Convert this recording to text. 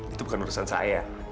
itu bukan urusan saya